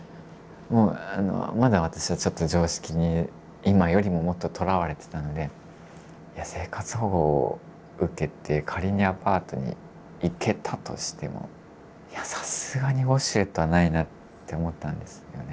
まだ私はちょっと常識に今よりももっととらわれてたので生活保護を受けて仮にアパートに行けたとしてもいやさすがにウォシュレットはないなって思ったんですよね。